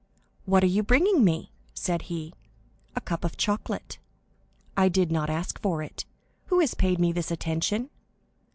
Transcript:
"What are you bringing me?" said he. "A cup of chocolate." "I did not ask for it. Who has paid me this attention?"